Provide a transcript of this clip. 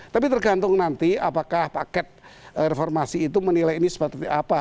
tapi tergantung nanti apakah pak ket reformasi itu menilai ini sepatutnya apa